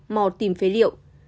mò tìm phế liệu